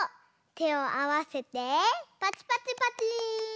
てをあわせてパチパチパチー！